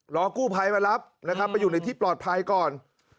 รอกู้ภัยมารับนะครับไปอยู่ในที่ปลอดภัยก่อน